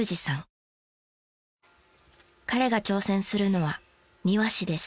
彼が挑戦するのは庭師です。